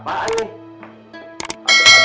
waduh ada apaan nih